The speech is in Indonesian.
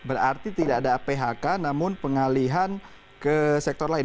berarti tidak ada phk namun pengalihan ke sektor lain